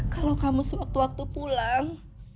kalau kamu sewaktu waktu pulang